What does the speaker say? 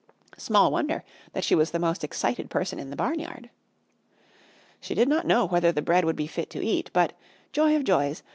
Small wonder that she was the most excited person in the barnyard! She did not know whether the bread would be fit to eat, but joy of joys!